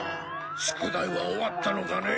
宿題は終わったのかね？